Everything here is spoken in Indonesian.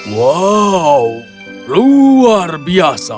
wow luar biasa